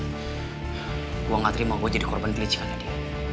gue gak terima gue jadi korban kelecehan tadi